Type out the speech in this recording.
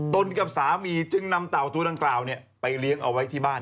กับสามีจึงนำเต่าตัวดังกล่าวไปเลี้ยงเอาไว้ที่บ้าน